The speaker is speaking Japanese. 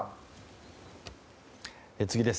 次です。